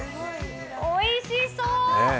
おいしそう。